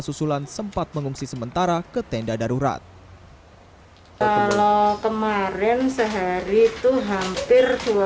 susulan sempat mengungsi sementara ke tenda darurat kalau kemarin sehari itu hampir